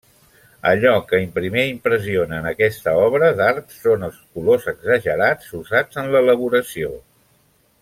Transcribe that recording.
Allò que primer impressiona en aquesta obra d'art són els colors exagerats usats en l'elaboració.